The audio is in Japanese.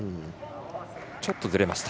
ちょっとずれました。